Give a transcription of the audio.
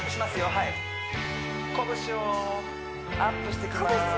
はい拳をアップしていきます